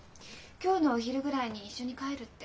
今日のお昼ぐらいに一緒に帰るって。